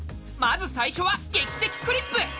まず最初は「劇的クリップ」！